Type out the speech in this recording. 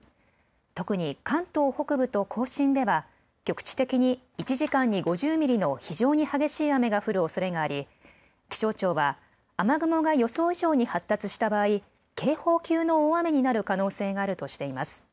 特に関東北部と甲信では局地的に１時間に５０ミリの非常に激しい雨が降るおそれがあり気象庁は雨雲が予想以上に発達した場合、警報級の大雨になる可能性があるとしています。